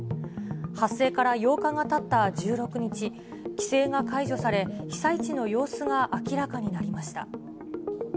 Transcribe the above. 発生から８日がたった１６日、規制が解除され、被災地の様子が明らかになりました。